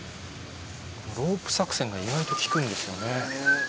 ロープ作戦が意外と効くんですよね。